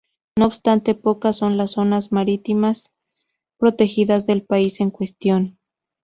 No obstante, pocas son las zonas marítimas protegidas del país en cuestión.